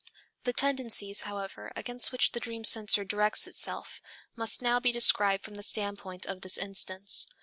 The tendencies, however, against which the dream censor directs itself, must now be described from the standpoint of this instance.